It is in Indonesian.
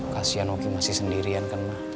kasian oki masih sendirian kan